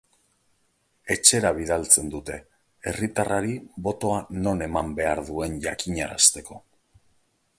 Etxera bidaltzen dute, herritarrari botoa non eman behar duen jakinarazteko.